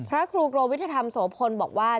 พระครูโกวิทธรรมโสพลบอกว่า